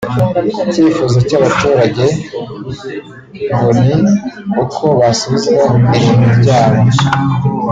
Ikifuzo cy’aba baturage ngo ni uko basubizwa irimbi ryabo